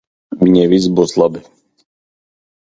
Viņai viss būs labi.